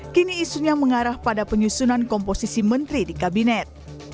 kini isunya mengarah pada penyusunan komposisi menteri di kabinet